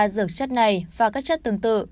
ba dược chất này và các chất tương tự